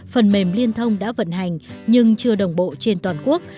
phần mềm liên thông đã vận hành nhưng chưa đồng bộ trên toàn quốc